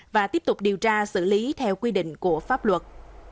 và xử lý theo quy định của pháp luật